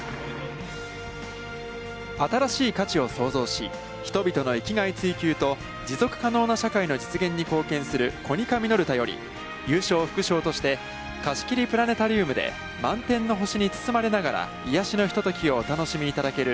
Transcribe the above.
「新しい価値」を創造し、人々の生きがい追求と持続可能な社会の実現に貢献するコニカミノルタより、優勝副賞として、貸し切りプラネタリウムで満天の星に包まれながら癒やしのひとときをお楽しみいただける